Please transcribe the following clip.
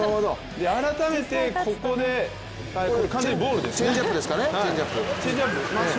改めてここで、完全にボールですね、チェンジアップ。